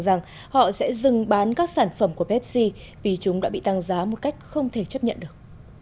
rằng họ sẽ dừng bán các sản phẩm của pfc vì chúng đã bị tăng giá một cách không thể chấp nhận được